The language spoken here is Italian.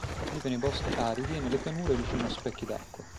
Vive nei boschi aridi e nelle pianure vicino a specchi d'acqua.